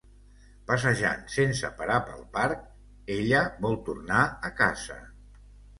Passejant sense parar pel parc, ella vol tornar a casa.